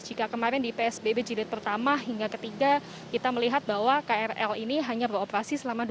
jika kemarin di psbb jilid pertama hingga ketiga kita melihat bahwa krl ini hanya beroperasi selama dua hari